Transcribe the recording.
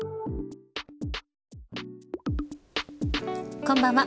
こんばんは。